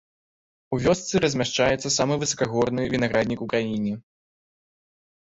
У вёсцы размяшчаецца самы высакагорны вінаграднік у краіне.